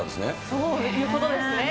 そういうことですね。